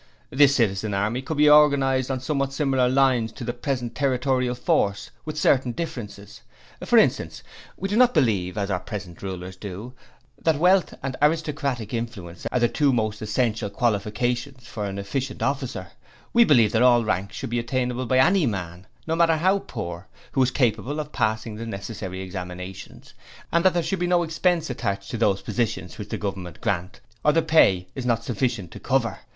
This Citizen Army could be organized on somewhat similar lines to the present Territorial Force, with certain differences. For instance, we do not believe as our present rulers do that wealth and aristocratic influence are the two most essential qualifications for an efficient officer; we believe that all ranks should be attainable by any man, no matter how poor, who is capable of passing the necessary examinations, and that there should be no expense attached to those positions which the Government grant, or the pay, is not sufficient to cover.